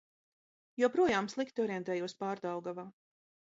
Joprojām slikti orientējos Pārdaugavā.